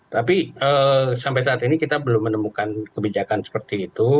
tapi sampai saat ini kita belum menemukan kebijakan seperti itu